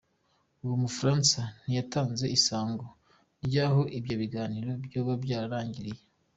Uwo mufaransa ntiyatanze isango ry'aho ivyo biganiro vyoba vyarangiriyeko.